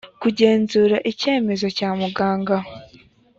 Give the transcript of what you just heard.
kugenzura icyemezo cya muganga